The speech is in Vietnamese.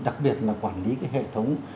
đặc biệt là quản lý cái hệ thống